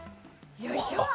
よいしょ。